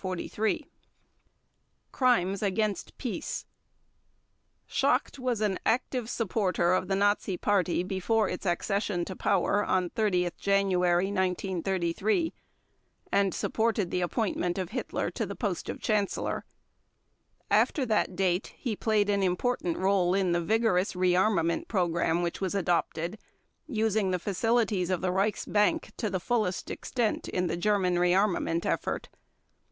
Crimes against Peace Schacht was an active supporter of the Nazi Party before its accession to power on 30 January 1933, and supported the appointment of Hitler to the post of Chancellor. After that date he played an important role in the vigorous rearmament program which was adopted, using the facilities of the Reichsbank to the fullest extent in the German rearmament effort.